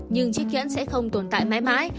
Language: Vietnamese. nhưng chiếc kiến sẽ không tồn tại mãi mãi